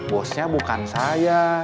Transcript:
bosnya bukan saya